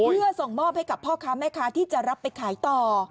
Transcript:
เพื่อส่งมอบให้กับพ่อค้าแม่ค้าที่จะรับไปขายต่อ